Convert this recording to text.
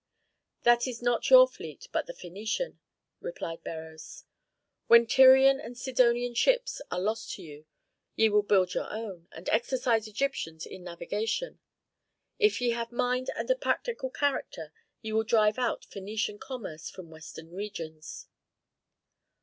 "That is not your fleet, but the Phœnician," replied Beroes. "When Tyrian and Sidonian ships are lost to you, ye will build your own, and exercise Egyptians in navigation. If ye have mind and a practical character, ye will drive out Phœnician commerce from western regions."